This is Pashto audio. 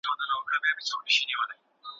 په اذان به یې وګړي روژه نه سي ماتولای